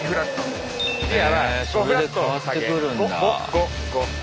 へそれで変わってくるんだ。